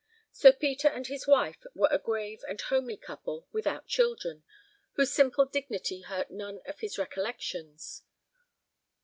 Sir Peter and his wife were a grave and homely couple without children, whose simple dignity hurt none of his recollections.